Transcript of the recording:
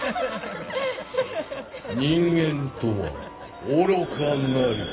人間とは愚かなり。